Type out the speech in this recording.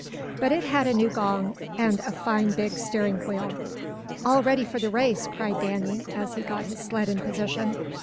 But it had a new gong and a fine big steering wheel. "All ready for the race," cried Danny, as he got his sled in position.